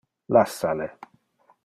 Lassa le.